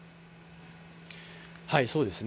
そうですね。